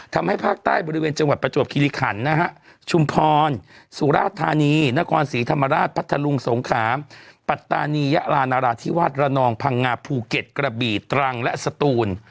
ทำให้ภาคใต้บริเวณจังหวัดประจวบคิริขันนะฮะชุมพรสุราธานีนครศรีธรรมราชพัทธลุงสงขาปัตตานียะลานราธิวาสระนองพังงาภูเก็ตกระบีตรังและสตูน